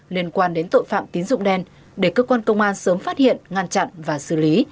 liên quan đến tội phạm tín dụng đen để cơ quan công an sớm phát hiện ngăn chặn và xử lý